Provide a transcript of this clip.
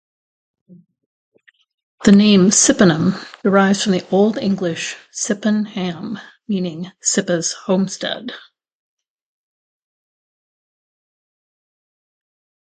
The name, Cippenham derives from the old English "Cippan-ham", meaning "Cippa's homestead".